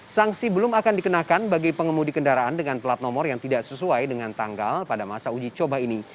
sanksi belum akan dikenakan bagi pengemudi kendaraan dengan plat nomor yang tidak sesuai dengan tanggal pada masa uji coba ini